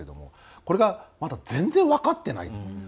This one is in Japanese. これがまだ全然分かっていないっていう。